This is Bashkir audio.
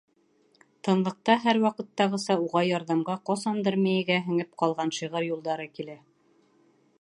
Тынлыҡта һәр ваҡыттағыса уға ярҙамға ҡасандыр мейегә һеңеп ҡалған шиғыр юлдары килә.